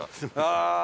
ああ。